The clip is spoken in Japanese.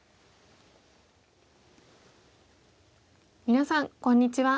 皆さんこんにちは。